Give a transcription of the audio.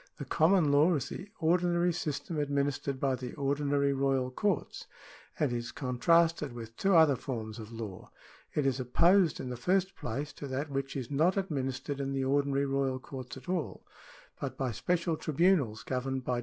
^ The common law is the ordinary system administered by the ordinary royal courts, and is contrasted with two other forms of law. It is opposed, in the first place, to that which is not administered in the ordinary royal courts at all, but by special tribunals governed by different ^ As to equity, see the next section.